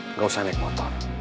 nggak usah naik motor